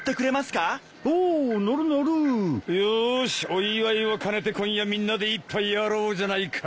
お祝いを兼ねて今夜みんなで一杯やろうじゃないか。